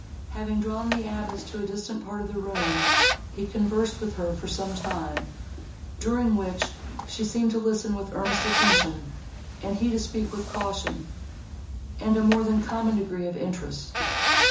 Having drawn the abbess to a distant part of the room, he conversed with her for some time, during which she seemed to listen with earnest attention, and he to speak with caution, and a more than common degree of interest.